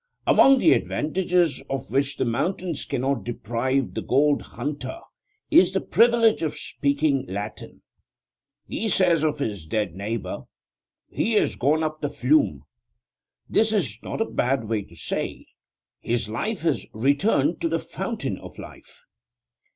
Among the advantages of which the mountains cannot deprive the gold hunter is the privilege of speaking Latin. He says of his dead neighbour, 'He has gone up the flume.' This is not a bad way to say, 'His life has returned to the Fountain of Life.'